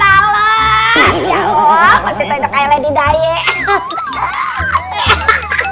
ya allah pasti terhidup kayak lady daye